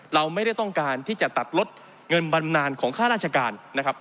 เราไม่ได้ต้องการที่จะตัดลดเงินบำนานของค่าราชการนะครับ